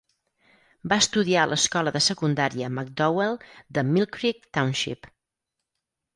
Va estudiar a l'escola de secundària McDowell de Millcreek Township.